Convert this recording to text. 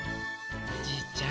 おじいちゃん